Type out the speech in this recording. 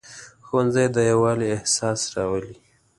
ښوونځی د یووالي احساس راولي